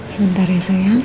sebentar ya sayang